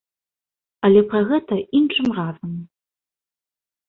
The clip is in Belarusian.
Але пра гэта іншым разам.